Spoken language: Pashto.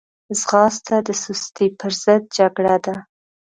ځغاسته د سستي پر ضد جګړه ده